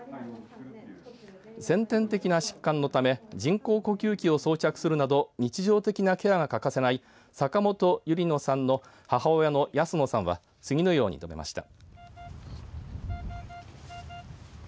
先天的な疾患のため人工呼吸器を装着するなど日常的なケアが欠かせない坂本百合乃さんの母親のやすのさんは次のように述べました。